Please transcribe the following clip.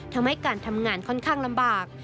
ทำให้การทำงานค่อนข้างลำบาก